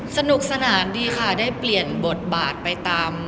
สนุกสนานดีค่ะได้เปลี่ยนบทบาทไปตาม